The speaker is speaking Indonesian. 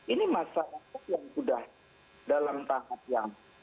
ini masyarakat yang sudah dalam tahap yang